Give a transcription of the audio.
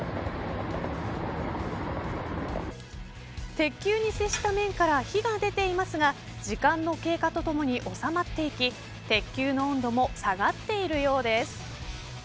鉄球に接した面から火が出ていますが時間の経過とともにおさまっていき鉄球の温度も下がっているようです。